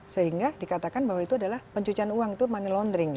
sehingga dikatakan bahwa itu adalah pencucian uang itu money laundering